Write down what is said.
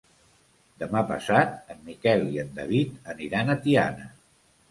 Demà passat en Miquel i en David aniran a Tiana.